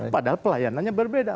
padahal pelayanannya berbeda